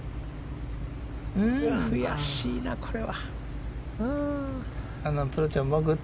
悔しいな、あれは。